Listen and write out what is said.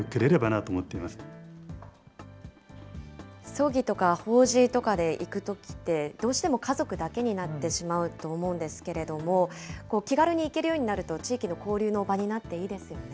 葬儀とか法事とかで行くときって、どうしても家族だけになってしまうと思うんですけれども、気軽に行けるようになると、地域の交流の場になっていいですよね。